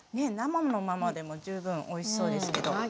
生のままでも十分おいしそうですけど。